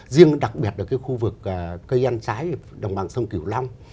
riêng đặc biệt là cái khu vực cây ăn trái đồng bằng sông kiểu long